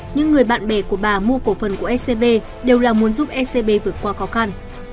những người bạn bè của bà mua cổ phần của scb đều là muốn giúp scb vượt qua khó khăn